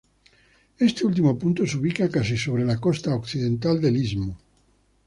Este último punto se ubica casi sobre la costa occidental del istmo.